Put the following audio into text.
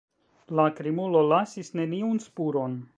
La krimulo lasis neniun spuron.